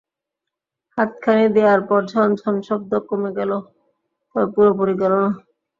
হাততালি দেয়ার পর ঝনঝন শব্দ কমে গেল, তবে পুরোপুরি গেল না।